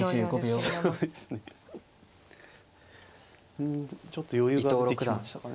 うんちょっと余裕が出てきたんでしたかね。